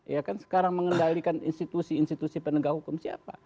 ya kan sekarang mengendalikan institusi institusi penegak hukum siapa